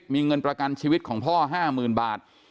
มีเงินประกันชีวิตของพ่อ๕๐๐๐บาท